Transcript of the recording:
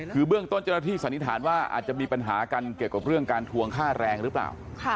คือเบื้องต้นเจ้าหน้าที่สันนิษฐานว่าอาจจะมีปัญหากันเกี่ยวกับเรื่องการทวงค่าแรงหรือเปล่า